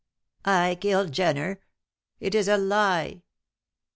"I kill Jenner? It is a lie!"